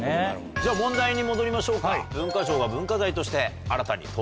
じゃ問題に戻りましょうか。